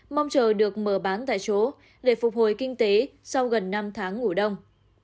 mong chờ được mở bán tại chỗ để phục hồi kinh tế sau gần năm tháng ngủ đông